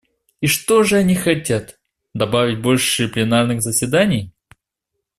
И что же они хотят — добавить больше пленарных заседаний?